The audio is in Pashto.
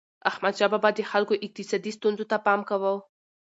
احمدشاه بابا به د خلکو اقتصادي ستونزو ته پام کاوه.